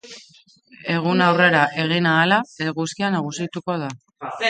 Eguna aurrera egin ahala, eguzkia nagusituko da.